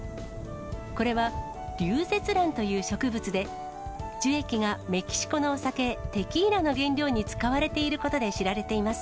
これはリュウゼツランという植物で、樹液がメキシコのお酒、テキーラの原料に使われていることで知られています。